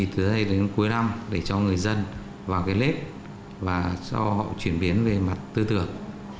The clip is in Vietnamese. từ đây đến cuối năm để cho người dân vào cái lớp và cho họ chuyển biến về mặt tư tưởng